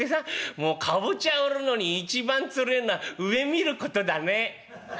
もうかぼちゃ売るのに一番つれえのは上見ることだね」。